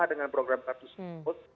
dengan program status